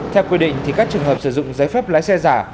theo quy định thì các trường hợp sử dụng giấy phép lái xe giả